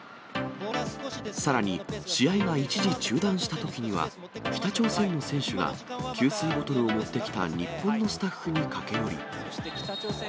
さらに、試合が一時中断したときには、北朝鮮の選手が、給水ボトルを持ってきた日本のスタッフに駆け寄り。